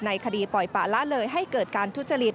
คดีปล่อยปะละเลยให้เกิดการทุจริต